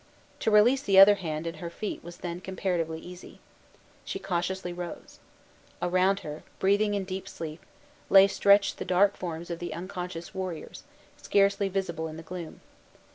To release the other hand and her feet was then comparatively easy. She cautiously rose. Around her, breathing in deep sleep, lay stretched the dark forms of the unconscious warriors, scarcely visible in the gloom.